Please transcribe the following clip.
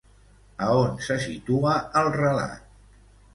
A on se situa el relat?